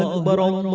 iya itulah kuncinya